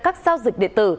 các giao dịch điện tử